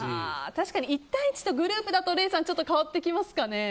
礼さん、１対１とグループだと変わってきますかね。